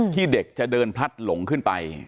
เด็กจะเดินพลัดหลงขึ้นไป